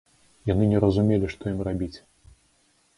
Яны не разумелі, што ім рабіць.